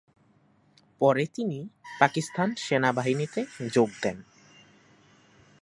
পরে তিনি পাকিস্তান সেনা বাহিনীতে যোগ দেন।